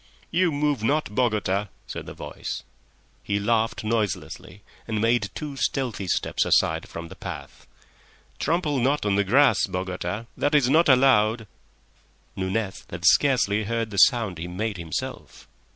"You move not, Bogota," said the voice. He laughed noiselessly and made two stealthy steps aside from the path. "Trample not on the grass, Bogota; that is not allowed." Nunez had scarcely heard the sound he made himself.